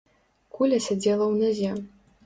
Куля сядзела ў назе.